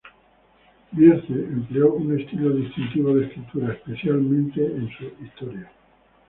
Bierce empleó un estilo distintivo de escritura, especialmente en sus historias.